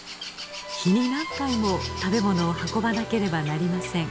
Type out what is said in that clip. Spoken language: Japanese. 日に何回も食べ物を運ばなければなりません。